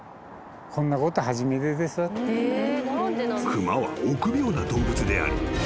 ［熊は臆病な動物であり］